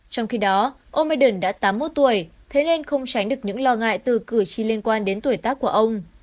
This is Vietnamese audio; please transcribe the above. trong khi đó ông biden đã tám mươi một tuổi thế nên không tránh được những lo ngại từ cử tri liên quan đến tuổi tác của ông